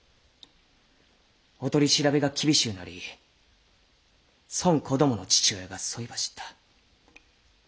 お取り調べが厳しうなりそん子供の父親がそいば知った。